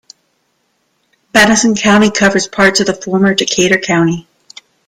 Madison County covers parts of the former Decatur County.